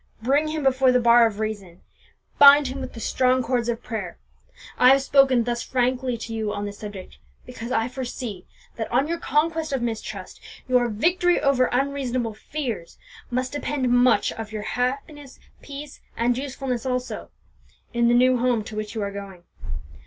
Bring him before the bar of reason, bind him with the strong cords of prayer. I have spoken thus frankly to you on this subject, because I foresee that on your conquest of mistrust, your victory over unreasonable fears, must depend much of your peace, happiness, and usefulness also, in the new home to which you are going.